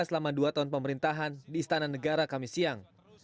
selama dua tahun pemerintahan di istana negara kami siang